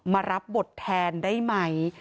มารับบทแทนได้ไหม